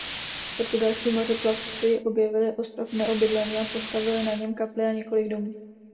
Portugalští mořeplavci objevili ostrov neobydlený a postavili na něm kapli a několik domů.